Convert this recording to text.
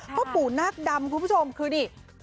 พ่อปู่นาคดำคุณผู้ชมคือนี่